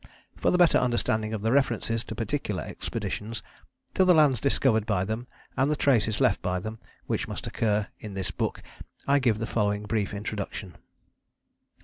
For the better understanding of the references to particular expeditions, to the lands discovered by them and the traces left by them, which must occur in this book I give the following brief introduction.